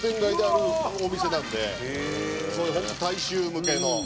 本当大衆向けの。